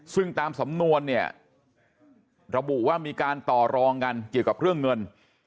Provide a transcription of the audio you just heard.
ซึ่งตามสำนวนเนี่ยระบุว่ามีการต่อรองกันเกี่ยวกับเรื่องเงิน